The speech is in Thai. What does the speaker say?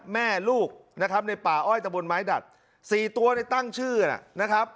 แม่ลูกนะครับในป่าอ้อยตะบนไม้ดัดสี่ตัวในตั้งชื่อนะครับ